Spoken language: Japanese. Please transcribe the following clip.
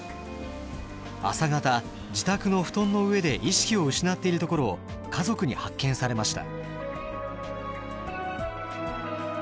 朝方自宅の布団の上で意識を失っているところを家族に発見されました。